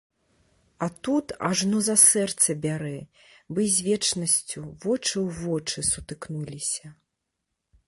А тут ажно за сэрца бярэ, бы з вечнасцю вочы ў вочы сутыкнуліся.